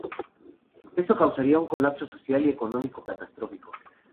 Esto causaría un colapso social y económico catastrófico.